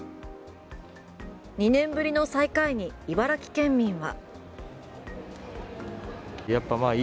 ２年ぶりの最下位に茨城県民は。